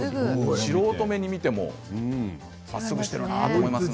素人目に見てもまっすぐしているなと思いますね。